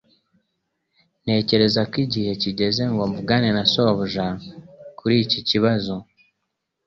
Ntekereza ko igihe kigeze ngo mvugane na shobuja kuri iki kibazo